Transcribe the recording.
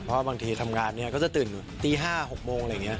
เพราะบางทีทำงานเนี่ยก็จะตื่นตี๕๖โมงอะไรอย่างนี้